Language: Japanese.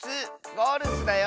ゴルスだよ！